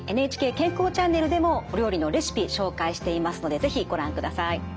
ＮＨＫ健康チャンネルでもお料理のレシピ紹介していますので是非ご覧ください。